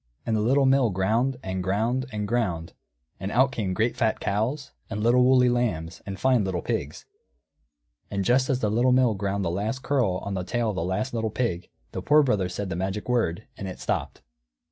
And the Little Mill ground, and ground, and ground, and out came great fat cows, and little woolly lambs, and fine little pigs; and just as the Little Mill ground the last curl on the tail of the last little pig, the Poor Brother said the magic word, and it stopped.